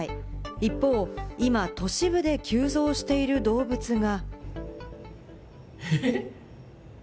一方、今都市部で急増している動物が。